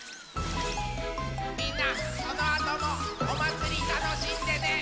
みんなこのあともおまつりたのしんでね！